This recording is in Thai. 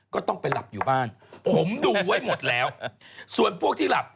ก็ต้องไปหลับอยู่บ้านผมดูไว้หมดแล้วส่วนพวกที่หลับ